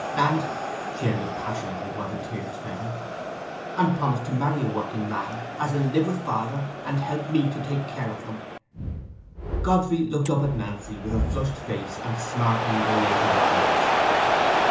And," she ended passionately, while the tears fell, "I'm promised to marry a working man, as'll live with father, and help me to take care of him." Godfrey looked up at Nancy with a flushed face and smarting dilated eyes.